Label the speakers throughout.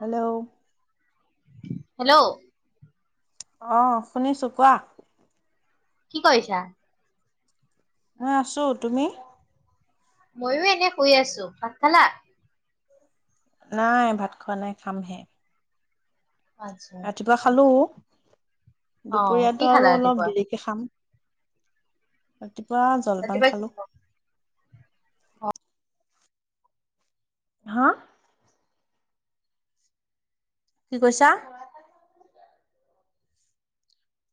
Speaker 1: Hello
Speaker 2: hello
Speaker 1: আহ শুনিছো কোৱা
Speaker 2: কি কৰিছা
Speaker 1: এ ঋঋআছো
Speaker 2: ময়ো এনে শুই আছো ভাত খালা
Speaker 1: নাই ভাত খোৱা নাই খামহে
Speaker 2: আচ্ছা
Speaker 1: ৰাতিপুৱা খালো
Speaker 2: অ' কি
Speaker 1: দুপৰীয়াাতো
Speaker 2: খালা
Speaker 1: আৰু অলপ
Speaker 2: ৰাতিপুৱা?
Speaker 1: দেৰিকে খাম ৰাতিপুৱা জলপান
Speaker 2: ৰাতিপুৱা কি
Speaker 1: খালো
Speaker 2: খালা? অ,
Speaker 1: হা কি কৈছা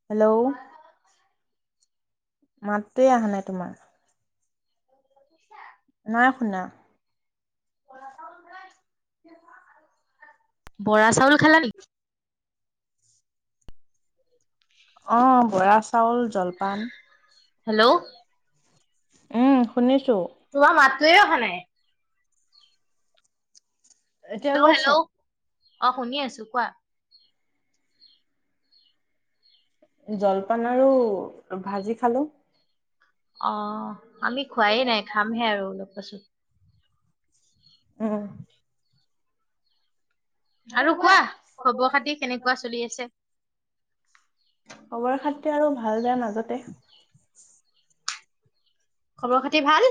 Speaker 1: হেল্ল' মাতটোৱে অহা নাই তোমাৰ নাই শুনা
Speaker 2: বৰা চাউল খালানি
Speaker 1: অ' বৰা চাউল জলপান।
Speaker 2: হেল্ল'?
Speaker 1: উম শুনিছো।
Speaker 2: তোমাৰ মাতোৱে অহা নাই
Speaker 1: এতিয়া
Speaker 2: হেল্ল'
Speaker 1: গৈছে
Speaker 2: হেল্ল', অ' শুনি আছো কোৱা।
Speaker 1: জলপান আৰু ভাজি খালো।
Speaker 2: অ'। আমি খোৱাইে নাই, খামহে আৰু অলপ পাছত।
Speaker 1: ও'
Speaker 2: আৰু কোৱা, খবৰ খাতি কেনেকুৱা চলি আছে।
Speaker 1: খবৰ খাতি আৰু ভাল বেয়া মাজতে।
Speaker 2: খবৰ খাতি ভাল।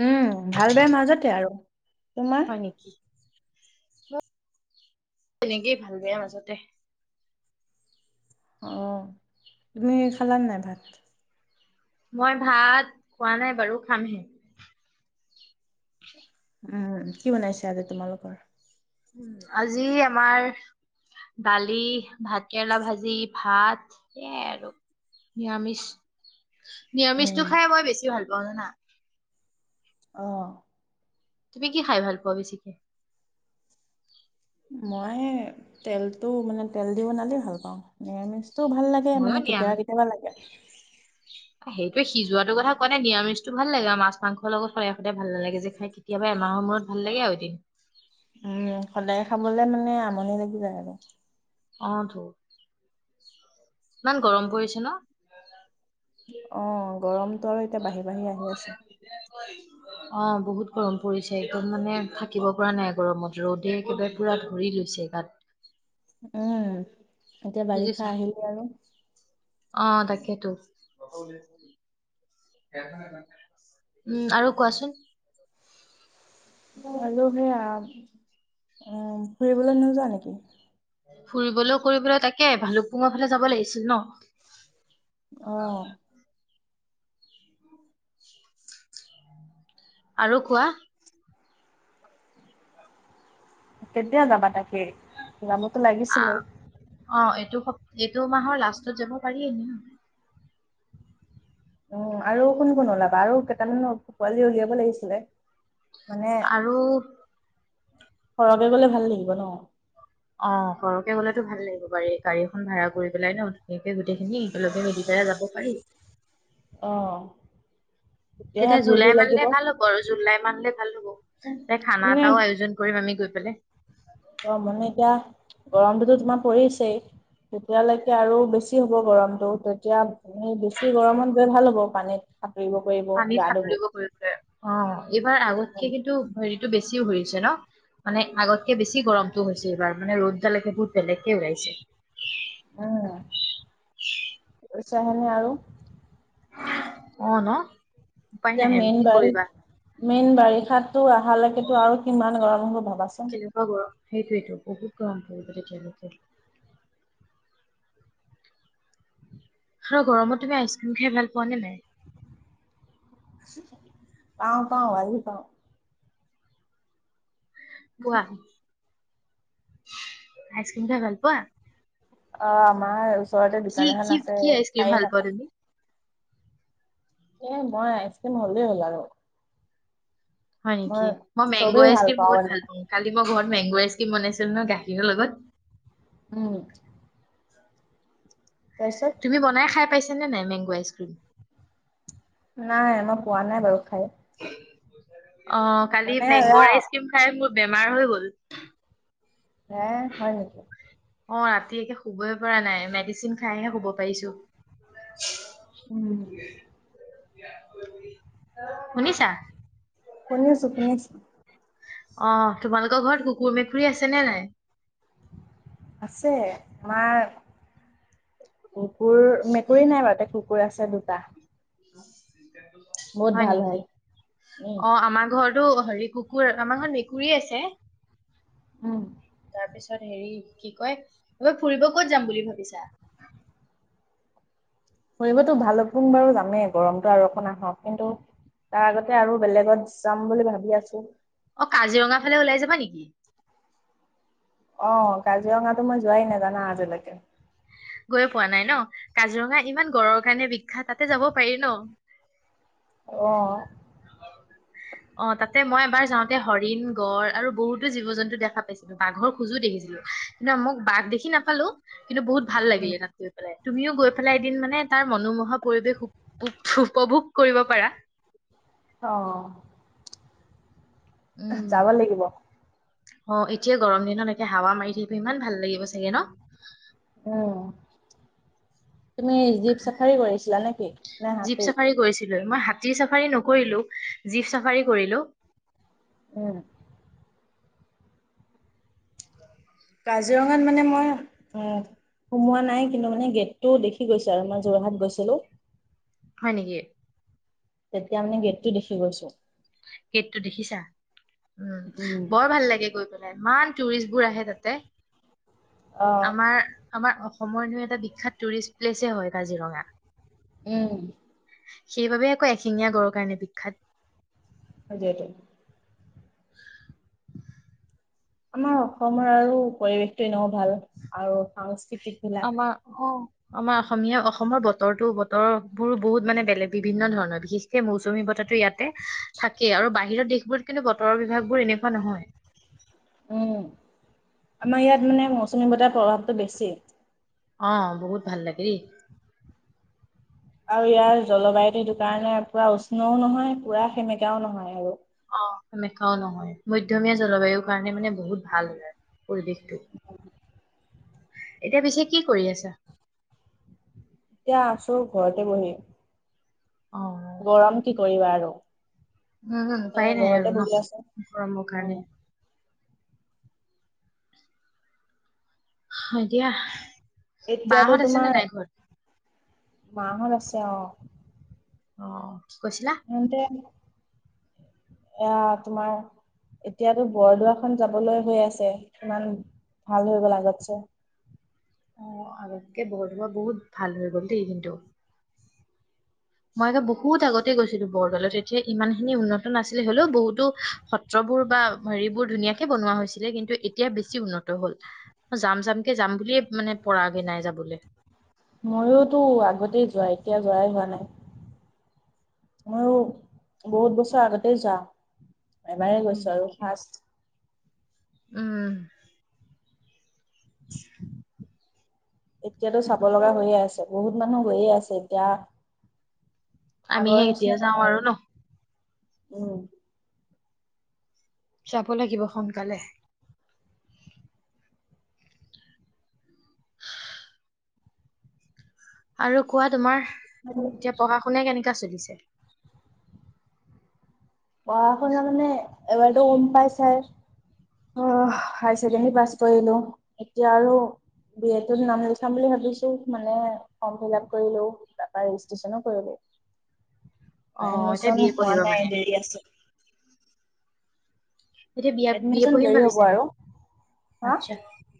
Speaker 1: উম, ভাল বেয়া মাজতে আৰু, তোমাৰ
Speaker 2: হয় নেকি, তেনেকেই, ভাল বেয়া মাজতে।
Speaker 1: অ' তুমি খালা নাই ভাত।
Speaker 2: মই ভাত খোৱা নাই বাৰু, খামহে।
Speaker 1: উম কি বনাইছে আজি তোমালোকৰ।
Speaker 2: [unintelligible] আজি আমাৰ দালি ভাত। কেৰেলা ভাজি, ভাত সেইয়াই আৰু নিৰামিষ।
Speaker 1: উম।
Speaker 2: নিৰামিষটো খাই মই বেছি ভাল পাওঁ জানা।
Speaker 1: অ'
Speaker 2: তুমি কি খাই ভাল পোৱা বেছিকে। [inaudible]
Speaker 1: মই তেলটো মানে, তেল দি বনালে ভাল পাওঁ নিৰামিষ। টো ভাল লাগে মানে, কেতিয়াবা কেতিয়াবা লাগে,
Speaker 2: আহেই। সিজোৱাটো কথা কোৱা নাই। নিৰামিষটো ভাল লাগে, মাছ মাংস লগ সদায় সদায় ভাল নালাগে যে খাই।। কেতিায়াবা এমাহৰ মূৰত ভালাগে আৰু এদিন।
Speaker 1: ম' সদায় খাবলে মানে আমনি লাগি যায় আৰু।
Speaker 2: অ' তো ইমান গৰম পৰিছে ন? [inaudible]
Speaker 1: অ গৰমতো আৰু এতিয়া বাঢ়ি বাঢ়ি আহি আছে।
Speaker 2: কৰিছো [inaudible] অ বহুত গৰম পৰিছে একদম মানে থাকিব পৰা নাই গৰমত ৰ'দে একুটা পুৰা ধৰি লৈছে তাত
Speaker 1: উম এতিয়া বাৰিষা আহিলেই আৰু
Speaker 2: অ তাকে টো উম আৰু কোৱাচোন?
Speaker 1: আৰু সেয়া আও উম ফুৰিবলৈ নোযোৱা নেকি?
Speaker 2: ফুৰিবলৈও কৰিবলৈ তাকে ভালুকপুঙৰ ফালে যাব লাগিছিল ন?
Speaker 1: অ
Speaker 2: আৰু কোৱা
Speaker 1: কেতিয়া যাবা তাকে? যাবতো লাগিছিলে।
Speaker 2: অ এইটো সপ এইটো মাহৰ লাষ্ট ত যাব পাৰি এদিন
Speaker 1: উম আৰু কোন কোন ওলাবা? আৰু- পোৱালী উলিয়াব লাগিছিলে মানে,
Speaker 2: আৰু
Speaker 1: সৰহকে গলে ভাল লাগিব ন?
Speaker 2: অ সৰহকে গ'লেতো ভাল লাগিব পাৰি, গাড়ীখন ভাড়া কৰি পেলাই ন ধুনীয়াকে গোটেই খিনি একেলগে মিলি পেলাই যাব পাৰি
Speaker 1: অঁ
Speaker 2: তেতিয়া জুলাই মানলে ভাল হব আৰু জুলাই মানলে ভাল হ'ব, খানা
Speaker 1: মানে
Speaker 2: এটাও আয়োজন কৰিম আমি গৈ [unintelligible]
Speaker 1: অ মানে এতিয়া গৰমটোতো [inaudible] তেতিয়ালৈকে আৰু বেছি হ'ব গৰমতটো, তেতিয়া উম বেছি গৰমত গলে ভাল হব পানীত সাঁতুৰিব কৰিব গা
Speaker 2: পানীত
Speaker 1: ধুব
Speaker 2: সাঁতুৰিব কৰিবলে, অ এইবাৰ আগতকে কিন্তু হে টো বেছিও হৈছে ন? মানে আগতকে বেছি গৰমতটো হৈছে এইবাৰ মানে ৰ'দ এতিয়ালৈকে বহুত বেলেকে ওলাইছে
Speaker 1: উম, চা [unintelligible] হনে আৰু
Speaker 2: অ ন উপায়
Speaker 1: এতিয়া
Speaker 2: নাই আৰু
Speaker 1: মেইন
Speaker 2: কি
Speaker 1: বাৰি
Speaker 2: কৰিবা
Speaker 1: মেইন বাৰিষাতো অহালৈকেতো আৰু কিমান গৰম অ [unintelligible]
Speaker 2: কেনেকুৱা গৰম, সেইটোৱেইতো, বহুত গৰম পৰিব তেতিয়ালৈক। আৰু গৰমত তুমি আইচক্ৰীম খাই ভাল পাৱ নে নাই?
Speaker 1: পাওঁ পাওঁ আৰু পাওঁ।
Speaker 2: পোৱা? আইচক্ৰিম খাই ভাল পোৱা?
Speaker 1: অ' আমাৰ ওচৰতে
Speaker 2: কি
Speaker 1: দোকান এখন
Speaker 2: কি
Speaker 1: আছে
Speaker 2: কি আইচক্ৰিম
Speaker 1: খায়ে
Speaker 2: ভাল
Speaker 1: থাকো
Speaker 2: পাৱা তুমি?
Speaker 1: এ' মই, আইচক্ৰীম হলেই হ'ল আৰু।
Speaker 2: হয় নেকি, মই মেংগ
Speaker 1: চবেই ভাল
Speaker 2: আইচক্ৰিম
Speaker 1: পাওঁ
Speaker 2: বহুত
Speaker 1: মানে
Speaker 2: ভাল পাওঁ, কালি মই ঘৰত মেংগো আইচ কি বনাইছিলো নহয় গাখীৰৰ লগত।
Speaker 1: উম তাৰপিছত
Speaker 2: তুমি বনাই খাই পাইছা? নাই মেংগ আইচক্ৰিম?
Speaker 1: নাই, মই পোৱা নাই বাৰু খাই।
Speaker 2: [unintelligible] অ' কালি
Speaker 1: মানে এয়া
Speaker 2: মেংগ'ৰ আইচক্ৰিয খাই মোৰ বেমাৰ হৈ গ'ল।
Speaker 1: হে হয় নেকি?
Speaker 2: অ' ৰাতি একে শুবই পৰা নাই, মেডিচিন খাইহে শুব পাৰিছো।
Speaker 1: উম
Speaker 2: শুনিছা
Speaker 1: শুনিছো শুনিছো
Speaker 2: অ' তোমালোকৰ ঘৰত কুকুৰ মেকুৰী আছে নে নাই?
Speaker 1: আছে, আমাৰ [unintelligible] কুৰ মেকুৰী নাই বাৰুতে কুৰ আছে দুটা।
Speaker 2: [unintelligible]
Speaker 1: বহুত
Speaker 2: হয়
Speaker 1: ভাল
Speaker 2: নেকি,
Speaker 1: উম
Speaker 2: অ' আমাৰ ঘৰত টো হেৰি কুকুৰ আমাৰ ঘৰত মেকুৰী আছে।
Speaker 1: উম
Speaker 2: তাৰপিছত হেৰি কি কয়, ঐ ফুৰিব ক'ত যাম বুলি ভাবিছা?
Speaker 1: ফুৰিবতো ভালুক পুং বাৰু যাম। মে গৰমতো আৰু অকণ আহক, কিন্তু তাৰ আগতে আৰু বেলেগত যাম বুলি ভাবি আছো।
Speaker 2: অ কাজিৰঙা ফালে ওলাই যাবা নেকি?
Speaker 1: অ কাজিৰঙাতো মই যোৱাই নাই জানা আজিলৈকে
Speaker 2: পোৱা নাই ন কাজিৰঙা ইমান গঁড়ৰ কাৰণে বিখ্যাত তাতে যাব পাৰি ন
Speaker 1: অহ
Speaker 2: অ তাতে মই এবাৰ যাওঁতে হৰিণ গড় আৰু বহুতো জীৱ জন্তু দেখা পাইছিলো বাঘৰ খোজো দেখিছিলো কিন্তু মোক বাঘ দেখি নাপালো কিন্তু বহুত ভাল লাগিলে তাত গৈ পেলাই তুমিও গৈ পেলাই এদিন মানে তাৰ মনোমোহা পৰিৱেশ উপভোগ কৰিব পাৰা
Speaker 1: অ
Speaker 2: উম
Speaker 1: যাব লাগিব
Speaker 2: অ এতিয়া গৰম দিনত এতিয়া হাৱা মাৰি থাকিবো ইমান ভাল লাগিব চাগে ন।
Speaker 1: অহ তুমি জীপ চাফাৰী কৰিছিলা নেকি নে
Speaker 2: জীপ
Speaker 1: হাতী।
Speaker 2: চাফাৰী কৰিছিলো মই হাতীৰ চাফাৰী নকৰিলো জীপ চাফাৰী কৰিলো।
Speaker 1: উম কাজিৰঙাত মানে মই সোমোৱা নাই কিন্তু মানে গেটটো দেখি গৈছো আৰু মই যোৰহাট গৈছিলো।
Speaker 2: হয় নেকি
Speaker 1: তেতিয়া মানে গেটটো দেখি গৈছো।
Speaker 2: গেটটো দেখিছা। উম বৰ ভাল লাগে গৈ। ইমান টুৰিষ্ট বোৰ আহে তাতে।
Speaker 1: অ',
Speaker 2: আমাৰ আমাৰ অসম অসমৰ হয় এটা বিখ্যাত টুৰিষ্ট প্লেছে হয় কাজিৰঙা।
Speaker 1: উম
Speaker 2: সেইবাবেই কয় এশিঙীয়া গড়ৰ কাৰণে বিখ্যাত।
Speaker 1: অযতে
Speaker 2: [unintelligible]
Speaker 1: আমাৰ অসমৰ আৰু পৰিৱেশটো এনেও ভাল আৰু সাংস্কৃতিক বিলাক।
Speaker 2: আমাৰ অ আমাৰ অসমীয়া অসমৰ বতৰতো বতৰ বোৰ বহুত মানে বেলেগ বিভিন্ন ধৰণৰ বিশেষকে মৌচুমী বতাহতো ইয়াত। থাকে আৰু বাহিৰত দেশ। কিন্তু বতৰৰ বিভাগ বোৰ এনেকুৱা নহয়।
Speaker 1: উম আমাৰ ইয়াত মানে মৌচুমী বতাহৰ প্ৰভাৱটো বেছি।
Speaker 2: অ বহুত ভাল লাগেদেই।
Speaker 1: আৰু ইয়াৰ জলবায়ুটো এইটো কাৰণে পুৰা উষ্ণও নহয় পুৰা সেমেকাও নহয় আৰু।
Speaker 2: অহ্ সে‌‌মেকাও নহয় মধ্যমীয়া জলবায়ুৰ কাৰণে মানে বহুত ভাল হল আৰু পৰিৱেশটো এতিয়া পিছে কি কৰি আছা।
Speaker 1: এতিয়া আছো ঘৰতে বহি।
Speaker 2: অ
Speaker 1: গৰম কি কৰিবা আৰু।
Speaker 2: উম উপায়
Speaker 1: এ
Speaker 2: নাই
Speaker 1: ঘৰতে
Speaker 2: আৰু
Speaker 1: বহি আছো।
Speaker 2: ন গৰমৰ
Speaker 1: উম,
Speaker 2: কাৰণে। হয় দিয়া। বা
Speaker 1: এতিয়াতো
Speaker 2: হত আছে, নে নাই ঘৰত?
Speaker 1: মা হত আছে অ।
Speaker 2: অ। কি কৈছিলা
Speaker 1: আহোতে এয়া তোমাৰ, এতিয়াতো বৰদোৱাখন যাবলৈ হৈ আছে, ইমান ভাল হৈ গ আগতছে।
Speaker 2: অ, আগতকে বৰদোৱা বহুত ভাল হৈ গ'ল দেই কিন্তু। মই একে বহুত আগতে গৈছিলো বৰদোৱালৈ, তেতিয়া ইমান খিনি উন্নত নাছিলে, হলেও বহুতো সত্ৰবোৰ বা হেৰিবোৰ ধুনীয়াকে বনোৱা হৈছিলে কিন্তু, এতিয়া বেছি উন্নত হ'ল। যাম যামকে যাম বুলিয়ে মানে পৰাগে নাই যাবলৈ।
Speaker 1: ময়োতো আগতেই যোৱা, এতিয়া যোৱাই হোৱা নাই। ময়ো, বহুত বছৰ আগতেই যোৱা। এবাৰেই
Speaker 2: হয়
Speaker 1: গৈছো আৰু
Speaker 2: নেকি
Speaker 1: ফাৰ্ষ্ট।
Speaker 2: উম।
Speaker 1: এতিয়াটো চাব লগা হৈয়ে আছে, বহুত মানুহ গৈয়ে আছে এতিয়া।
Speaker 2: আমি
Speaker 1: আগৰ
Speaker 2: হে কেতিয়া
Speaker 1: নিচিনা
Speaker 2: যাওঁ?
Speaker 1: নহয়
Speaker 2: আৰু নহ।
Speaker 1: উম।
Speaker 2: যাব লাগিব সোনকালে। আৰু কোৱা? তোমাৰ এতিয়া পঢ়া শুনা কেনেকুৱা চলিছে? [unintelligible]
Speaker 1: পঢ়া শুনা মানে এবাৰটো গম পাইছাই। অহ, হাই ছেকেণ্ডাৰী পাছ কৰিলো। এতিয়া আৰু বি এ টোত নাম লিখাম বুলি ভাবিছোঁ, মানে ফৰ্ম ফিল আপ কৰিলো, তাৰ পা ৰেজিষ্ট্ৰেশচনো কৰিলো।
Speaker 2: অ এতিয়া
Speaker 1: এডমিচন
Speaker 2: বি এ
Speaker 1: হোৱা
Speaker 2: পঢ়িব
Speaker 1: নাই,
Speaker 2: মানে
Speaker 1: দেৰি আছে।
Speaker 2: এতিয়া বিয়া বি এ
Speaker 1: এডমিচন
Speaker 2: পঢ়িম
Speaker 1: দেৰি হ'ব
Speaker 2: ভাবিছা
Speaker 1: আৰু
Speaker 2: নেকি?
Speaker 1: হা
Speaker 2: আচছা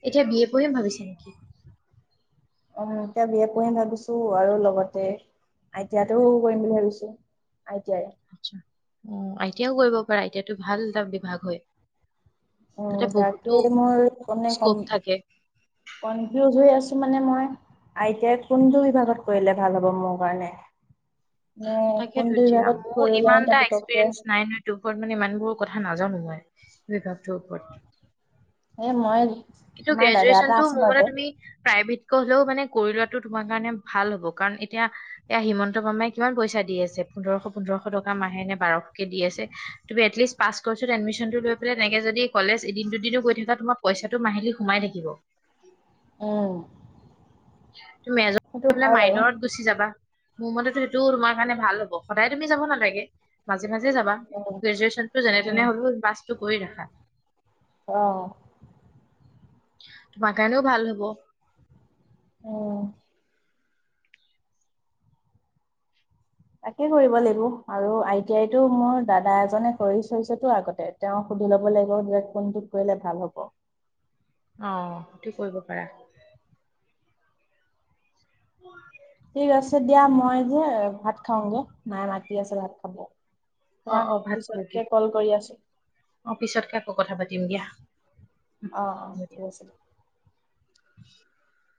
Speaker 2: এতিয়া বি এ পঢ়িম ভাবিছা নেকি?
Speaker 1: অ, এতিয়া বি এ পঢ়িম ভাবিছো আৰু লগতে আই টি আই টো কৰিম বুলি ভাবিছো। I T I.
Speaker 2: আচ্ছা অ, আই টি আইও কৰিব পাৰা, আই টি আই টো ভাল এটা বিভাগ হয়।
Speaker 1: অ,
Speaker 2: তাতে
Speaker 1: তাকে
Speaker 2: বহুতো
Speaker 1: মই মানে
Speaker 2: স্কপ
Speaker 1: কন-
Speaker 2: থাকে
Speaker 1: কনফিউজ হৈ আছো। মানে মই, আই টি আই কোনটো বিভাগত কৰিলে ভাল হ'ব, মোৰ কাৰণে? নে
Speaker 2: তাকেটো
Speaker 1: কোনটো
Speaker 2: এতিয়া,
Speaker 1: বিভাগত
Speaker 2: মোৰো
Speaker 1: কৰিলে
Speaker 2: ইমান
Speaker 1: এতিয়া
Speaker 2: এটা
Speaker 1: পতককে
Speaker 2: এক্সপেৰিয়েন্স নাই নহয়, দুখন মানে ইমান বোৰ কথা নাজানো মই, বিভাগটোৰ ওপৰত।
Speaker 1: এ মই
Speaker 2: কিন্তু,
Speaker 1: আমাৰ দাদা এটা
Speaker 2: গ্ৰেজুৱেচনতটো
Speaker 1: আছে
Speaker 2: মোৰ মতে
Speaker 1: বাৰুতে
Speaker 2: তুমি প্ৰাইভেট কৈ হলেও মানে কৰি লোৱাটো তোমাৰ কাৰণে ভাল হ'ব, কাৰণ এতিয়া এয়া হিমন্ত মামাই কিমান পইচা দি আছে, পোন্ধৰশ-পোন্ধৰশ টকা মাহে নে, বাৰশকে দি আছে। তুমি এটলিষ্ট পাছ কোৰ্চত এডমিশনটো লৈ পেলাই তেনেকে যদি কলেজ এদিন-দুদিনো গৈ থকা, তোমাৰ পইচা টো মাহিলী সোমাই থাকিব।
Speaker 1: অ।
Speaker 2: [unintelligible] তু মেজৰলে মাইনৰত গুচি যাবা। মোৰ মতেতো সেইটো তোমাৰ কাৰণে ভাল হ'ব সদায় তুমি যাব নালাগে মাজে মাজে যাবা
Speaker 1: উম
Speaker 2: গ্ৰেজোৱেচন যেনে
Speaker 1: উম
Speaker 2: তেনে হ'লেও পাছ কৰি ৰাখা।
Speaker 1: অহ।
Speaker 2: তোমাৰ কাৰণেও ভাল হ'ব।
Speaker 1: অ। তাকে কৰিব লাগিব আৰু আই টি আই টো মোৰ দাদা এজনে কৰি থৈছেতো আগতে, তেওঁ সুধি ল'ব লাগিব যে কোনটোত কৰিলে ভাল হ'ব।
Speaker 2: অ', সেইটো কৰিব পাৰা।
Speaker 1: ঠিক আছে দিয়া মই যে ভাত খাওঁগে নাই মায়ে মাতি আছে ভাত খাব।
Speaker 2: অ',
Speaker 1: তোমাক
Speaker 2: অ', ভাত
Speaker 1: পিছতকে
Speaker 2: খোৱাগে
Speaker 1: কল কৰি আছো
Speaker 2: অ', পিছতকে আকৌ কথা পাতিম দিয়া। হ'ব
Speaker 1: অ', অ',
Speaker 2: দিয়া।
Speaker 1: [unintelligible]
Speaker 2: [unintelligible]